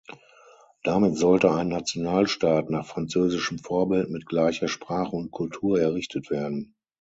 Damit sollte ein Nationalstaat nach französischem Vorbild mit gleicher Sprache und Kultur errichtet werden.